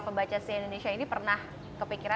pembaca si indonesia ini pernah kepikiran